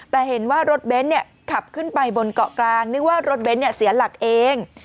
แต่เห็นว่ารถเบนท์ขับขึ้นไปบนเกาะกลางนึกว่ารถเบนท์เสียหลักเอง